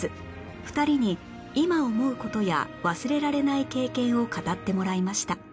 ２人に今思う事や忘れられない経験を語ってもらいました